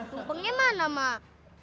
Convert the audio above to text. tumpengnya mana mak